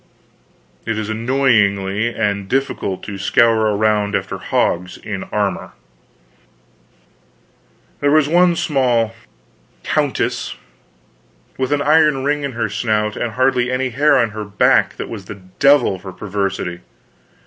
It is annoying and difficult to scour around after hogs, in armor. There was one small countess, with an iron ring in her snout and hardly any hair on her back, that was the devil for perversity.